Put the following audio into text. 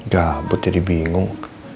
gabut jadi bingung